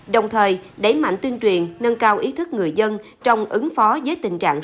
đồng thời đẩy mạnh tuyên truyền nâng cao ý thức người dân trong ứng phó với tình trạng